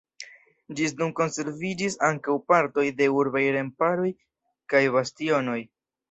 Ĝis nun konserviĝis ankaŭ partoj de urbaj remparoj kaj bastionoj.